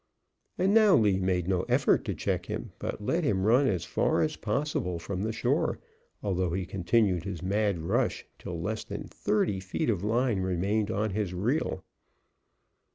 And now Lee made no effort to check him, but let him run as far as possible from the shore, although he continued his mad rush till less than thirty feet of line remained on his reel.